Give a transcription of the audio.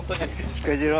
彦次郎。